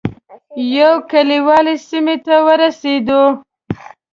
یو کلیوالي سیمې ته ورسېدو.